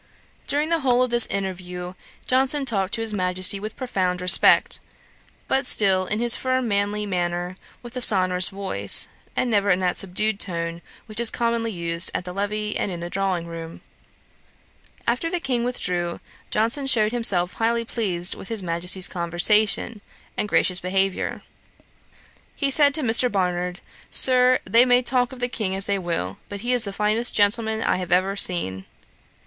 During the whole of this interview, Johnson talked to his Majesty with profound respect, but still in his firm manly manner, with a sonorous voice, and never in that subdued tone which is commonly used at the levee and in the drawing room. After the King withdrew, Johnson shewed himself highly pleased with his Majesty's conversation, and gracious behaviour. He said to Mr. Barnard, 'Sir, they may talk of the King as they will; but he is the finest gentleman I have ever seen.'